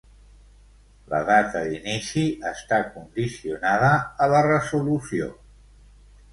La data d'inici està condicionada a la resolució.